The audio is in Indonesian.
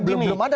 belum ada logika